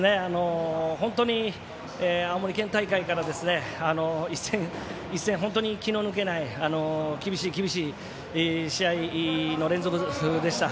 本当に青森県大会から１戦１戦、気の抜けない厳しい試合の連続でした。